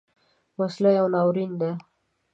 وسله یو ناورین دی